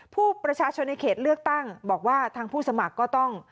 ผู้ประชาชนในเขตเลือกตั้งบอกว่าทางผู้สมัครก็ต้อง